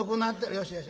よしよし。